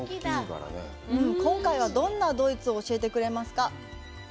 今回は、どんなドイツを教えてくれますか。